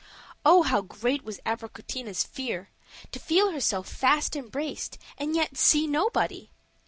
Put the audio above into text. Oh, how great was Abricotina's fear to feel herself fast embraced, and yet see nobody!